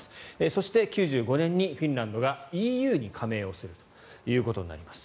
そして９５年にフィンランドがＥＵに加盟することになります。